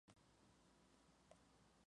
Sufría de leucemia.